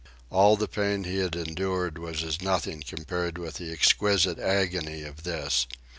All the pain he had endured was as nothing compared with the exquisite agony of this.